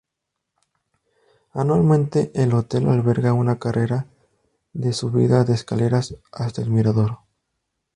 Anualmente el hotel alberga una carrera de subida de escaleras hasta el mirador.